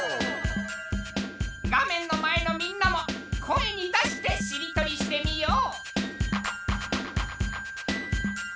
画面の前のみんなも声に出してしりとりしてみよう！